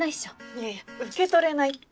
いやいや受け取れないって。